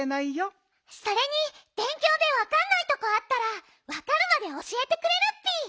それにべんきょうでわかんないとこあったらわかるまでおしえてくれるッピ。